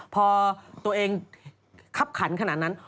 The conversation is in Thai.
พอตัวเองคับขันขนาดนั้น